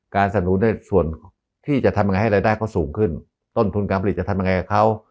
สนุนในส่วนที่จะทำยังไงให้รายได้เขาสูงขึ้นต้นทุนการผลิตจะทำยังไงกับเขา